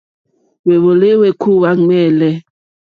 Hwéwòló hwékúwà ɱwɛ̂lɛ̂.